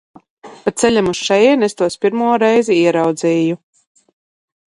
Pa ceļam uz šejieni es tos pirmo reizi ieraudzīju.